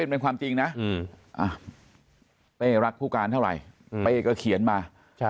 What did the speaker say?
เป็นความจริงนะเป้รักผู้การเท่าไหร่เป้ก็เขียนมา